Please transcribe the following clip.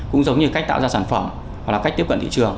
cũng giống như cách tạo ra sản phẩm hoặc là cách tiếp cận thị trường